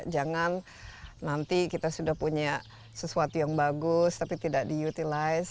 jangan nanti kita sudah punya sesuatu yang bagus tapi tidak diutilize